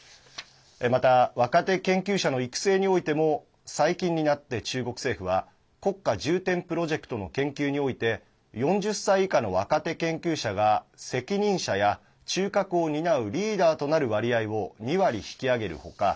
また若手研究者の育成においても最近になって中国政府は国家重点プロジェクトの研究において４０歳以下の若手研究者が責任者や中核を担うリーダーとなる割合を２割引き上げる他